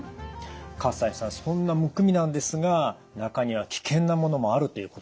西さんそんなむくみなんですが中には危険なものもあるということですね？